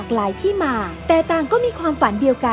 สนุนโดยสถาบันความงามโย